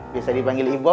biasa dipanggil ibob